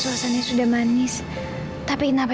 puzzle kamu sudah menghasilkan molly